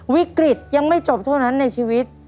วิกฤตยังไม่จบเท่านั้นในชีวิต